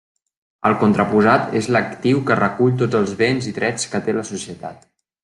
El contraposat és l'actiu que recull tots els béns i drets que té la societat.